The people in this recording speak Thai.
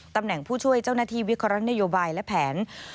ตำแหน่งผู้ช่วยเจ้าหน้าที่วิเคราะห์นโยบายและแผน